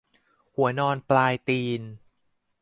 หัวนอนปลายตีน